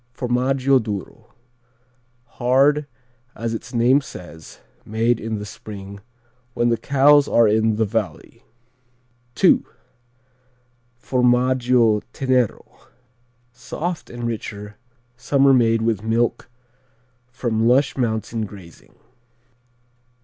Formaggio Duro: hard, as its name says, made in the spring when the cows are in the valley. II. Formaggio Tenero: soft and richer, summer made with milk from lush mountain grazing.